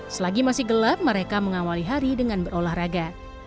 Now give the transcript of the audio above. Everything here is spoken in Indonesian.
selagi masih gelap mereka mengawali hari dengan berolahraga